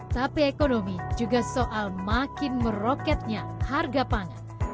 tapi ekonomi juga soal makin meroketnya harga pangan